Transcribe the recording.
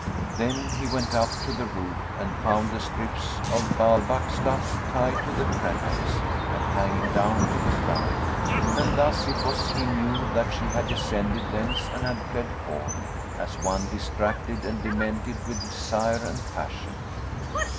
Then he went up to the roof and found the strips of Ba'albak stuff tied to the crenelles and hanging down to the ground, and thus it was he knew that she had descended thence and had fled forth, as one distracted and demented with desire and passion.